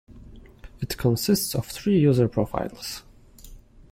It consists of three user profiles.